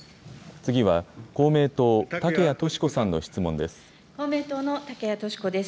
次は、公明党、竹谷とし子さんの質問です。